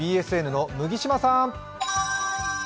ＢＳＮの麦島さん。